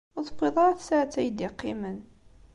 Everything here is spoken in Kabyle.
Ur tewwiḍ ara tsaɛet ay d-yeqqimen.